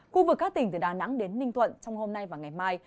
khu vực các tỉnh từ đà nẵng đến ninh thuận trong hôm nay và ngày mai